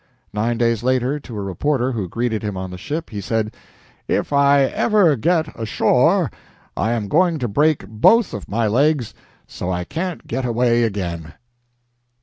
Nine days later, to a reporter who greeted him on the ship, he said: "If I ever get ashore I am going to break both of my legs so I can't get away again."